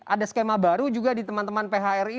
ada skema baru juga di teman teman phri